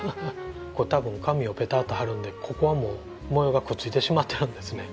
たぶん紙をペターッと貼るんでここはもう模様がくっついてしまってるんですね。